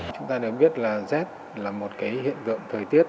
chúng ta đều biết là rét là một cái hiện tượng thời tiết